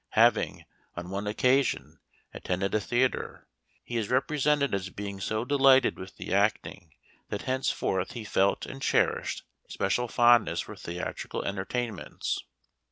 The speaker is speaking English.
Having, on one occasion, attended a theater, he is repre sented as being so delighted with the acting that henceforward he felt and cherished a special fondness for theatrical entertainments.